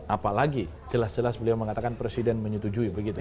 apalagi jelas jelas beliau mengatakan presiden menyetujui begitu